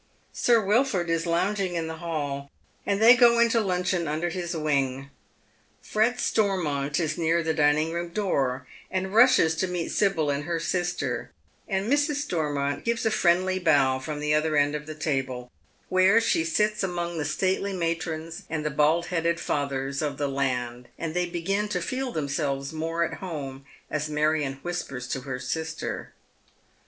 Sir Wilford is lounging in tlie hall, and they go in to luncheon under his wing. Fred Stormont is near the dining room door, and rushes to meet Sibyl and her sister ; and Mrs. Stormont gives a friendly bow from the other end of the table, where she sits among the stately matrons and the bald headed fathers of the land ; and they begin to feel themselves more at home, as Marion whispers to her sister.